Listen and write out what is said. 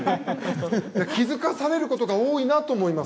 気付かされることが多いなと思います。